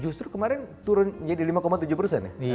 justru kemarin turun jadi lima tujuh persen ya